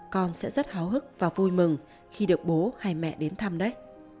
con sẽ rất háo hức và vui mừng khi được bố hay mẹ đến thăm đấy